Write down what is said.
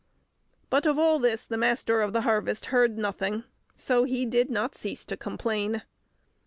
But of all this the Master of the Harvest heard nothing, so he did not cease to complain.